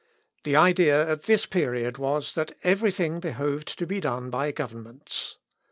The idea at this period was, that every thing behoved to be done by governments.